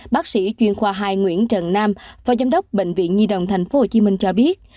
bác sĩ chuyên khoa hà nội truyền thông tp hcm cho biết